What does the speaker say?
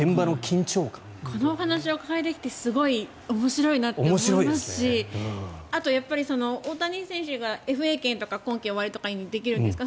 この話をお伺いできてすごい面白いなと思いますしあと、やっぱり大谷選手がＦＡ権とか今季終わりにできるんですかね。